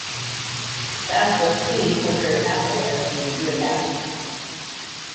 That's what Steve portrayed Apple as being good at.